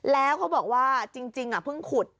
แล้วเขาบอกว่าจริงเพิ่งขุด